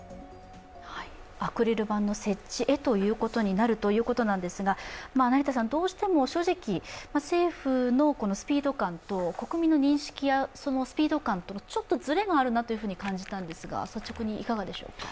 アクリル板の設置へということになるということですが、どうしても正直、政府のスピード感と国民の認識やそのスピード感とちょっとずれがあると感じたんですが、率直にいかがでしょうか？